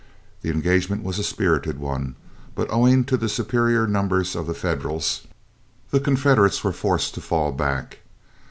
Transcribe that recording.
The engagement was a spirited one, but owing to the superior numbers of the Federals, the Confederates were forced to fall back.